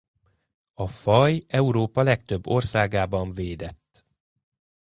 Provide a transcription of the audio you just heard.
A faj Európa legtöbb országában védett.